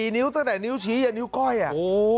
นิ้วตั้งแต่นิ้วชี้อ่ะนิ้วก้อยอ่ะ